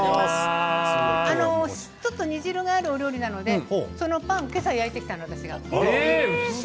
ちょっと煮汁があるお料理なのでそのパン、私が今朝焼いてきました。